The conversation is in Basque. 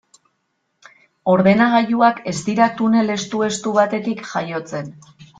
Ordenagailuak ez dira tunel estu-estu batetik jaiotzen.